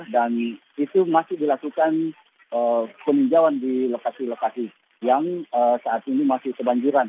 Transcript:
dan itu masih dilakukan peninjauan di lokasi lokasi yang saat ini masih kebanjuran